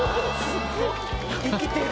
生きてる。